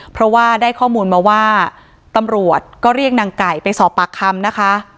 เพราะว่าได้ข้อมูลมาว่าตำรวจก็เรียกนางไก่ไปสอบปากคำนะคะ